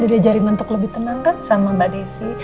trus udah dari nentok lebih tenang kan sama mbak desi